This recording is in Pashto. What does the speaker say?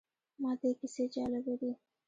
ماته یې کیسې جالبه دي.